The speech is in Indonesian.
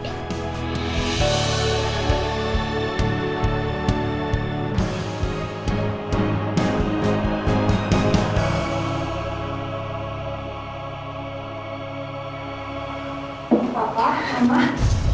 gak ada apa apaan